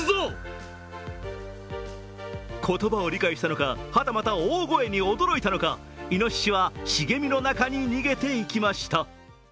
言葉を理解したのか、はたまた大声に驚いたのかいのししは茂みの中に逃げていきました。